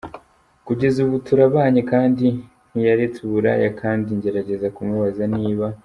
Kugeza ubu turabanye kandi ntiyaretse uburaya kandi ngerageza kumubaza niba.